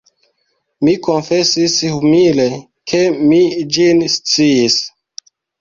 Mi konfesis humile, ke mi ĝin sciis.